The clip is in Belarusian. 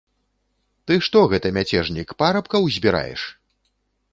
Ты, што гэта, мяцежнік, парабкаў збіраеш?